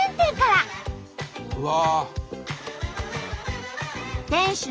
うわ！